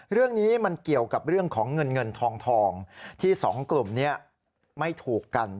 เรื่องนี้มันเกี่ยวกับเรื่องของเงินเงินทองที่สองกลุ่มนี้ไม่ถูกกัน